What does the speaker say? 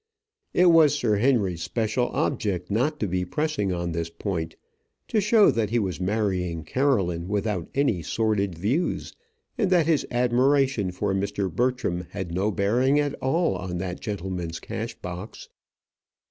It was Sir Henry's special object not to be pressing on this point, to show that he was marrying Caroline without any sordid views, and that his admiration for Mr. Bertram had no bearing at all on that gentleman's cash box.